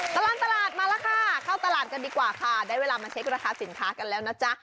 ตลอดตลาดมาแล้วค่ะเข้าตลาดกันดีกว่าค่ะได้เวลามาเช็คราคาสินค้ากันแล้วนะจ๊ะ